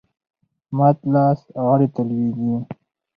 مات لاس غاړي ته لویږي .